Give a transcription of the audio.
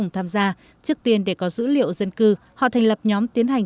tham gia trước tiên để có dữ liệu dân cư họ thành lập nhóm tiến hành